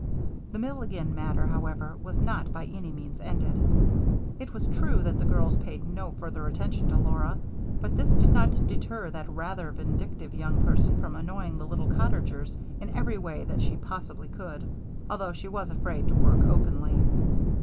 The Milligan matter, however, was not by any means ended. It was true that the girls paid no further attention to Laura, but this did not deter that rather vindictive young person from annoying the little cottagers in every way that she possibly could, although she was afraid to work openly.